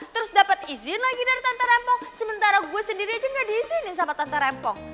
terus dapet izin lagi dari tante repong sementara gue sendiri aja gak diizinin sama tante repong